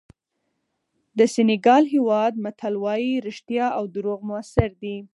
د سینیګال هېواد متل وایي رښتیا او دروغ موثر دي.